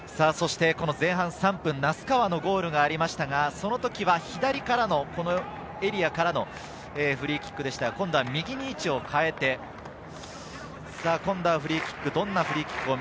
前半３分、名須川のゴールがありましたが、その時は左からのエリアからのフリーキックでしたが、今度は右に位置を変えて、今度はフリーキック。